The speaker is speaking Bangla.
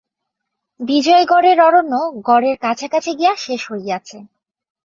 বিজয়গড়ের অরণ্য গড়ের কাছাকাছি গিয়া শেষ হইয়াছে।